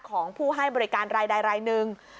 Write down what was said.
ของผู้ให้บริการรายใดรายหนึ่ง